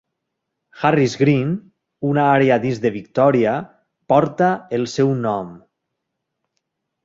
Harris Green, una àrea dins de Victòria, porta el seu nom.